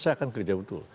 saya akan kerja betul